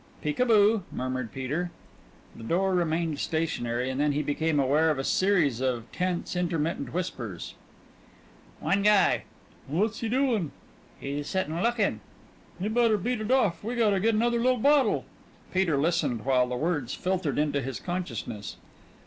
"Peek a boo," murmured Peter. The door remained stationary and then he became aware of a series of tense intermittent whispers. "One guy." "What's he doin'?" "He's sittin' lookin'." "He better beat it off. We gotta get another li'l' bottle." Peter listened while the words filtered into his consciousness.